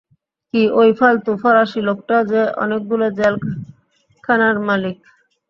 কী, ঐ ফালতু ফরাসি লোকটা, যে অনেকগুলো জেলখানার মালিক?